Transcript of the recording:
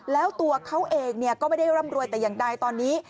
แล้วตัวเขาเองก็ไม่ได้ร่ำรวยแต่อย่างใดตอนนี้